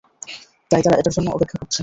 তাই তারা এটার জন্যে অপেক্ষা করছে।